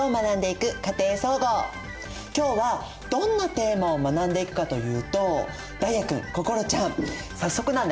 今日はどんなテーマを学んでいくかというと太哉くん心ちゃん